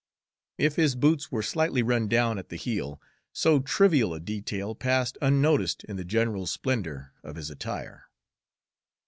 If his boots were slightly run down at the heel, so trivial a detail passed unnoticed in the general splendor of his attire.